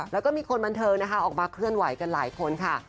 แล้วก็มีคนบันเทิงนะคะออกมาเคลื่อนไหวกันหลายคนค่ะ